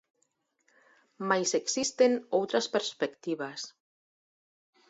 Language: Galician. Mais existen outras perspectivas.